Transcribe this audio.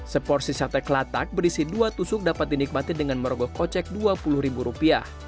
seporsi sate kelatak berisi dua tusuk dapat dinikmati dengan merogoh kocek rp dua puluh